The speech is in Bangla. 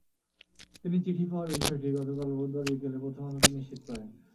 তিনি চিঠি পাওয়ার বিষয়টি গতকাল বুধবার বিকেলে প্রথম আলোকে নিশ্চিত করেন।